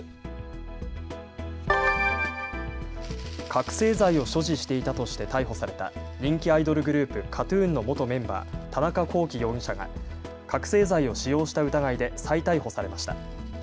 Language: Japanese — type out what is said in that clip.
覚醒剤を所持していたとして逮捕された人気アイドルグループ、ＫＡＴ−ＴＵＮの元メンバー、田中聖容疑者が覚醒剤を使用した疑いで再逮捕されました。